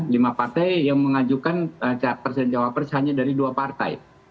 lima partai yang mengajukan capres dan cawapres hanya dari dua partai